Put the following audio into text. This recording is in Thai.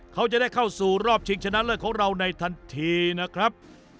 เขาจะได้เข้าสู่รอบชิงชนะเลิศของเราในทันทีนะครับ